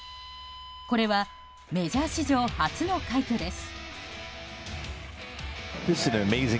これはメジャー史上初の快挙です。